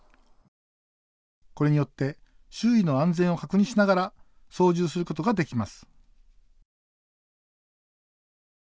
これによって、周囲の安全を確認しながら操縦することができます。